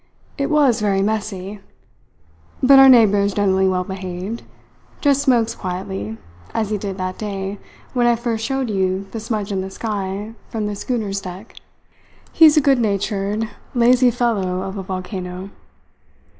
It was very messy; but our neighbour is generally well behaved just smokes quietly, as he did that day when I first showed you the smudge in the sky from the schooner's deck. He's a good natured, lazy fellow of a volcano."